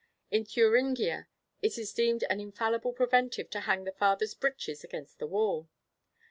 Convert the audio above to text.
In Thuringia it is deemed an infallible preventive to hang the father's breeches against the wall.